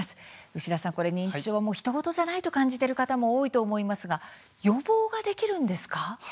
牛田さん、認知症はひと事ではないと感じている方も多いと思いますが予防できるものなのでしょうか？